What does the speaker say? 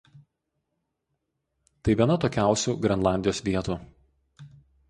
Tai viena atokiausių Grenlandijos vietų.